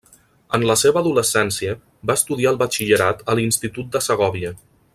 En la seva adolescència va estudiar el batxillerat a l'Institut de Segòvia.